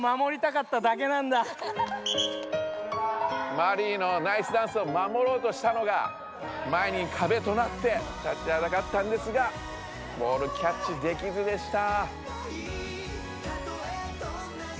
マリイのナイスダンスを守ろうとしたのが前にかべとなってたちはだかったんですがボールキャッチできずでした。